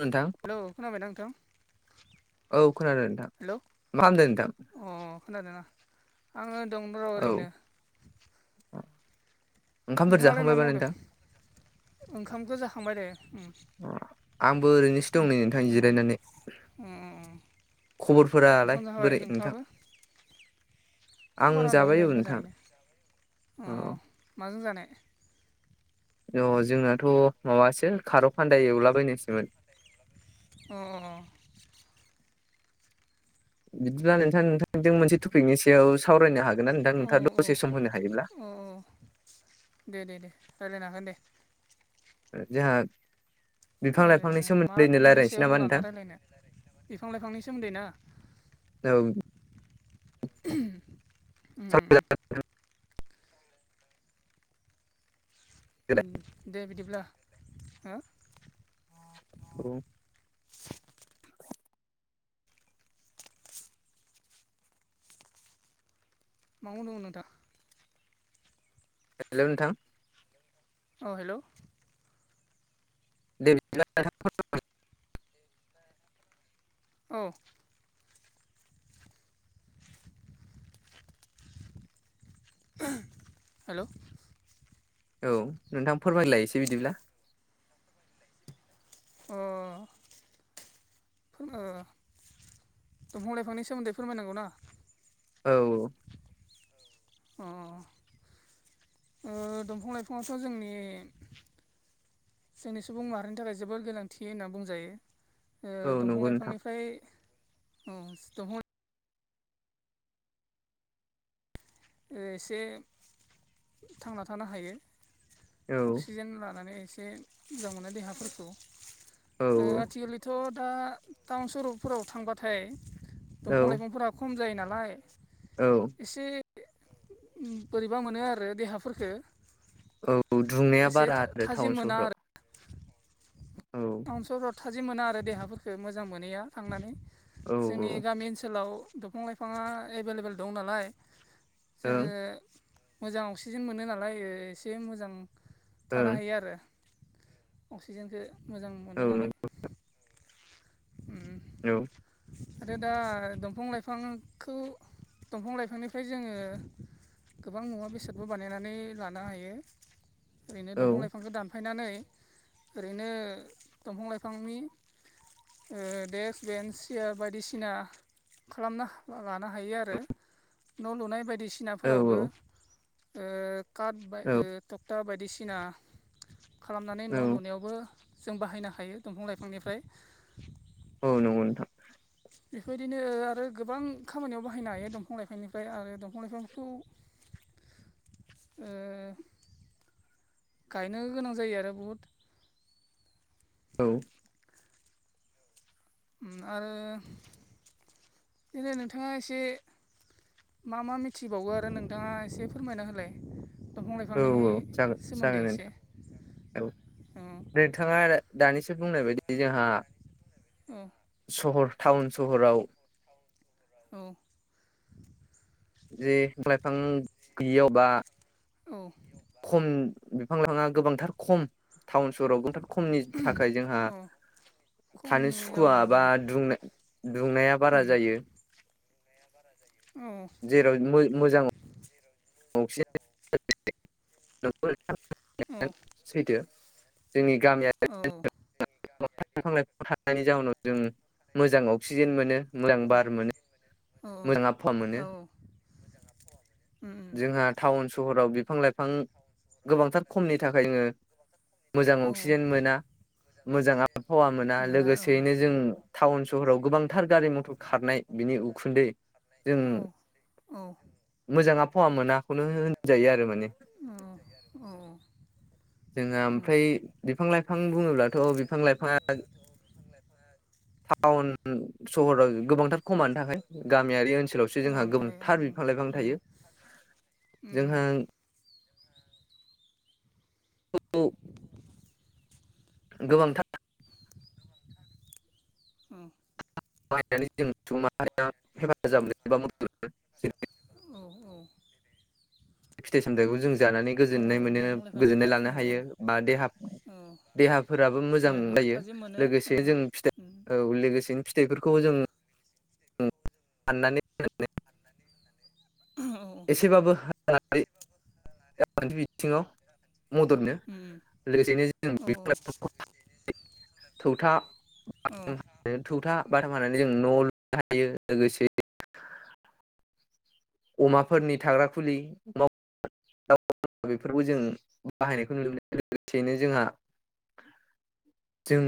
नोंथां हेलौ खोनाबायना नोंथां औ खोनादों नोंथां हेलौ मा खालामदों नोंथां अ खोनादों ना आङो दंओ र' ओरैनो उम नोंथांआलाय मा मावदो ओंखामखौ जाखांबाय दे ओ ओ‌ आंबो ओरैनोसो दं नै नोंथां जिरायनानै उम ओंखाम खबरफोरालाय जाखाबाय बोरै नोंथां नोंथाङाबो आं खबरा दं जाबाय दे औ नोंथां मोजांयैनो ओ औ माजों जानाय अ जोंनाथ' माबासो खारौ कान्दाय एवलाबायनसोमोन अ बिदिब्ला नोंथा नोंथांजों मोनसे टपिकनि सायाव सावरायनो हागोन ना नोंथां औ नोंथांआ औ दसे सम होनो हायोब्ला औ दे दे दे रायज्लायनो हागोन दे ओ जोंहा बिफां ओ लाइफांनि मा सोमोन्दैनो टपिकनि रायज्लायनोसै सायाव नामा नोंथां लाना रायज्लायनो बिफां लाइफांनि सोमोन्दै ना औ ओमह उम उम उम दे बिदिब्ला हो औ न'आवनो दङो नोंथां हेलौ नोंथां औ हेलौ दे बिदिब्ला नोंथां औ ओह हेलौ औ नोंथां फोरमायलाय एसे बिदिब्ला अ ओ दंफां लाइफांनि सोमोन्दै फोरमायनांगौ ना औ अ ओ दंफां लाइफांआवथ' जोंनि जोंनि सुबुं माहारिनि थाखाय जोबोर गोनांथि होनना बुंजायो ओ औ दंफां नंगौ नोंथां लाइफांनिफ्राय औ दंफां लाइफां एसे थांना थानो हायो औ अक्सिजेन लानानै एसे मोजां मोननाय देहाखौ फोरखौ औ ओ आथिखालनि थ' दा टाउन सहरफोराव थांबाथाय दंफां औ लाइफांफोराव खम जायो नालाय औ एसे उम बोरैबा मोनो आरो देहाफोरखौ औ दुंनाया बारा आरो थाजिम टाउन मोना सहराव आरो औ टाउन सहराव थाजिम मोना आरो देहाफोरखौ मोजां मोनैया थांनानै औ जोंनि गामि ओनसोलाव दंफां लाइफांआ एभेल‌ एभेल दं नालाय जोङो ओं ओ मोजां अक्सिजेन मोनो नालाय ओ‌ एसे मोजां थानो हायो आरो अक्सिजेनखो मोजां मोनो ओं नालाय उम औ आरो दा दंफां लाइफांखौ दंफां लाइफांनिफ्राय जोङो गोबां मुवा बेसादबो बानायनानै लानो हायो ओरैनो दंफां लाइफांखौ दानफायनानै ओरैनो दंफां लाइफांनि ओ डेक्क बेन्स सियार बायदिसिना खालामना लानो हायो आरो न' लुनाय औ बायदिसिनाफोरावबो औ ओ काट औ थक्टा बायदिसिना खालामनानै न' औ लुनायावबो जों बाहायनो हायो दंफां लाइफांनिफ्राय औ नंगौ नोंथां बेफोरदिनो आरो गोबां खामानियाव बाहायनो हायो दंफां लाइफांनिफ्राय आरो दंफां लाइफांखौ [inaudible] ओ गायनो गोनां जायो आरो बुहुद औ आरो बिदिनो नोंथाङा एसे मा मा मिथिबावो आरो नोंथाङा एसे फोरमायना होलाय दंफां औ लाइफांनि औ जागोन सोमोन्दै जागोन एसे नोंथां औ अ नोंथाङा दानिसो बुंनाय बायदि जोंहा औ सहर टाउन सहराव औ जे बिफां लाइफां गैयियाव बा औ खम बिफां लाइाङा गोबांथार खम टाउन सहराव गोबांथार खमनि थाखाय जोंहा औ थानो खमनि सुखु जाउनाव औ बा दुंनाय दुंनाया बारा उम जायो औ जेराव मो मोजां [unintelligible] औ सैथो जोंनि गामियारि औ [unintelligible] [unintelligible] बिफां लाइफां थानायनि जाहोनाव जों मोजां अक्सिजेन मोनो मोजां बार मोनो मोजां आबहावा मोनो जोंहा टाउन सहराव बिफां लाइफां गोबांथार खमनि थाखाय जोङो मोजां अक्सिजेन मोना मोजां आबहावा मोना मोजां आबहावा लोगोसेयैनो जों टाउन सहराव गोबांथार गारि मथर खारनाय बिनि उ खुन्दै जों मोजाङा फवा मोना अ औ जोंहा ओमफ्राय बिफां लाइफां बुङोब्लाथ बिफां लाइफाङा टाउन सहराव गोबांथार खमानो थाखाय गामियारि ओनसोलावसो जोंहा गामि ओनसोलाव बुंनो गोबांथार बिफां लाइफां थायो [inaudible] उम जोंहा [unintelligible] गोबांथार उम बाहायनानै जों सुबुं माहारिया हेफाजाब मोनो बा मदद औ औ [inaudible] फिथाइ सामथाइखौ जों जानानै औ गोजोननाय मोनो दंफां गोजोननाय लाइफांनिफ्राय औ लानो हायो बा देहा औ देहाफोराबो देहाखौ मोजांजायो थाजिम मोनो औ लोगोसे जों फिथाइ औ लोगोसेनो फिथाइफोरखौ जों साननानै [unintelligible] एसेबाबो राङारि राङारि बिथिङाव मददनो लोगोसेैनो जों औ बे थौथा औ थौथा बाथाम हानानै जों न' लुनो हायो लोगोसे अमाफोरनि थाग्रा खुलि बेफोरखौ जों बाहायनायखौ नुनो मोनदों लोगोसेयैनो जोंहा जों